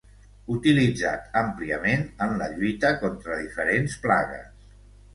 Utilitzat àmpliament en la lluita contra diferents plagues.